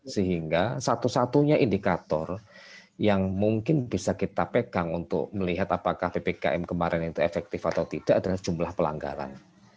sehingga satu satunya indikator yang mungkin bisa kita pegang untuk melihat apakah ppkm kemarin itu efektif atau tidak adalah jumlah pelanggaran